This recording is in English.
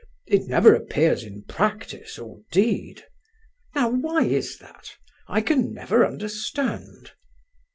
It never appears in practice or deed. Now, why is that? I can never understand."